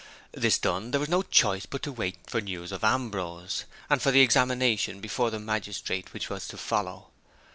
This done, there was no choice but to wait for news of Ambrose, and for the examination before the magistrate which was to follow.